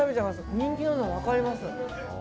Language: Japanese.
人気なの分かります。